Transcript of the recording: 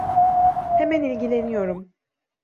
Hemen ilgileniyorum.